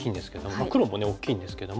まあ黒もね大きいんですけども。